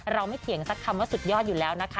ไม่เถียงสักคำว่าสุดยอดอยู่แล้วนะคะ